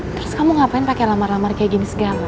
terus kamu ngapain pakai lamar lamar kayak gini segala